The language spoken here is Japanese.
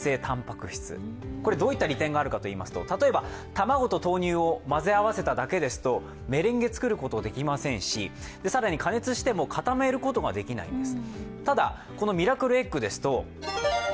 卵と豆乳を混ぜ合わせただけですとメレンゲを作ることもできませんし、更に加熱しても固めることができないんです。